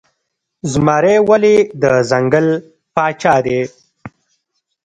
زمری ولې د ځنګل پاچا دی؟